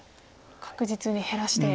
確実に減らして。